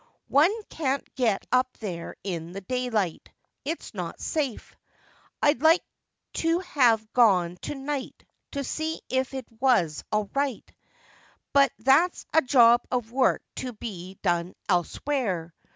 One can't get up there in the daylight — it's not safe. I'd like to have gone to night to see if it was all right: but there's a job of work to be done elsewhere.